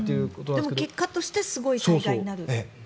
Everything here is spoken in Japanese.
結果としてすごい災害になる。